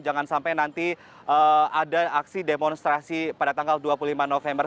jangan sampai nanti ada aksi demonstrasi pada tanggal dua puluh lima november